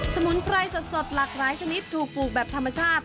สมุนไพรสดหลากหลายชนิดถูกปลูกแบบธรรมชาติ